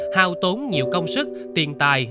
hào tốn nhiều công sức tiền tài